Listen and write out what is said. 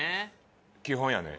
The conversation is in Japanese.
基本やね。